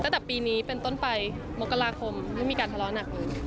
ตั้งแต่ปีนี้เป็นต้นไปมกราคมไม่มีการทะเลาะหนักเลย